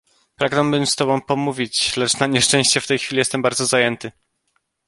"Pragnąłbym z tobą pomówić, lecz na nieszczęście w tej chwili jestem bardzo zajęty."